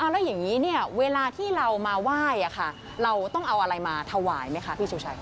แล้วอย่างนี้เนี่ยเวลาที่เรามาไหว้เราต้องเอาอะไรมาถวายไหมคะพี่สุชัย